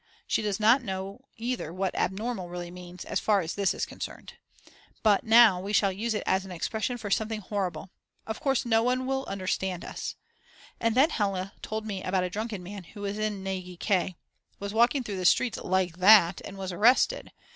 She does not know either what "abnormal" really means as far as this is concerned. But now we shall use it as an expression for something horrible. Of course no one will understand us. And then Hella told me about a drunken man who in Nagy K. ... was walking through the streets like that and was arrested.